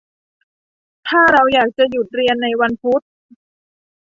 ถ้าเราอยากจะหยุดเรียนในวันพุธ